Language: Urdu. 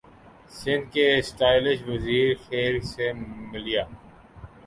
سندھ کے اسٹائلش وزیر کھیل سے ملیے